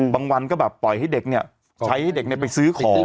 บางวันก็แบบปล่อยให้เด็กเนี่ยใช้ให้เด็กไปซื้อของ